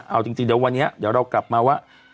เอาจริงเดี๋ยววันนี้เดี๋ยวเรากลับมาว่า